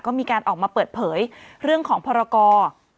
ก็มีการออกมาเปิดเผยเรื่องของพรกร